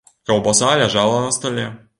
Каўбаса ляжала на стале.